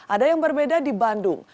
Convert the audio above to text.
ada yang berbeda di bandung